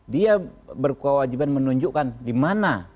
dia berkewajiban menunjukkan dimana